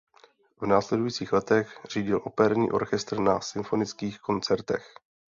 V následujících letech řídil operní orchestr na symfonických koncertech.